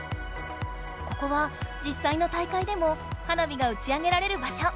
ここはじっさいの大会でも花火が打ち上げられる場所。